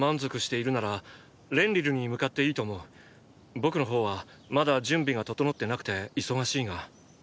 僕の方はまだ準備が整ってなくて忙しいが。